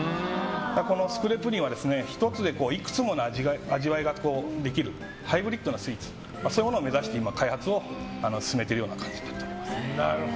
このスフレ・プリンは１つでいくつもの味わいができるハイブリッドなスイーツそういうものを目指して開発を進めている感じです。